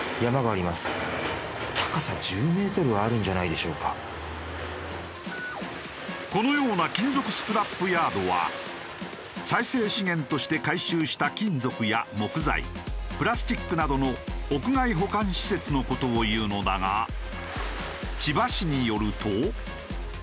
こうしていやこれはこのような金属スクラップヤードは再生資源として回収した金属や木材プラスチックなどの屋外保管施設の事をいうのだが千葉市によると。